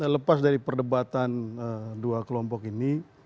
lepas dari perdebatan dua kelompok ini